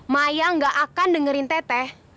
maya gak akan dengerin teteh